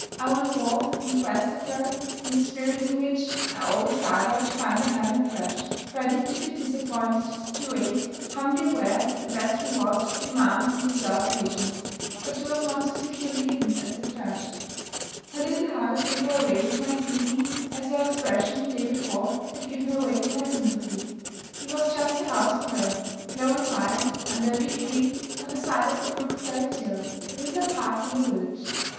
I went forth in quest of her in the spirit in which I always start out to find a hermit thrush ready to be disappointed, to wait, humbly aware that the best rewards demand and deserve patience. But she was not so securely hidden as the thrush. Her little house gave her away to my seeking, as her expression, the day before, had given her away to my sympathy. It was just the house for her: low and white, under a big tree, on the side of a brook threaded hill, a little apart from the village.